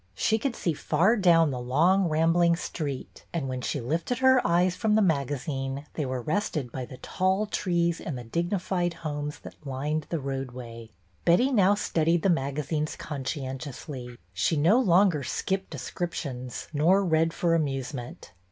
She could see far down the long, rambling street, and when she lifted her eyes from the magazine they were rested by the tall trees and the dignified homes that lined the roadway. Betty now studied the magazines conscien tioijsly. She no longer skipped descriptions nor read for amusement.